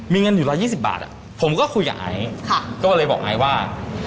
มีเงินอยู่๑๒๐บาทผมก็คุยกับไอซ์ก็เลยบอกไอซ์ว่า